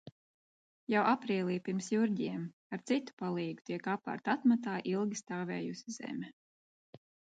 Jau aprīlī pirms Jurģiem ar citu palīgu tiek aparta atmatā ilgi stāvējusi zeme.